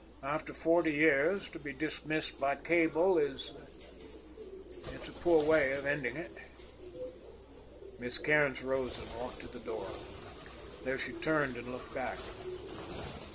After forty years—to be dismissed by cable is—it's a poor way of ending it." Miss Cairns rose and walked to the door. There she turned and looked back.